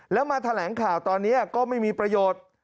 แล้วมาแถลงข่าวตอนนี้ก็ไม่มีประโยชน์